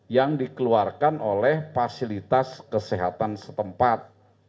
yang dikeluarkan oleh fasilitas kesehatan setempat